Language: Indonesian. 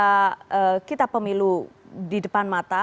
mbak bivitri kalau misalnya kita pemilu di depan menteri